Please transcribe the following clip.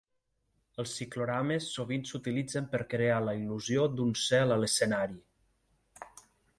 Els ciclorames sovint s'utilitzen per crear la il·lusió d'un cel a l'escenari.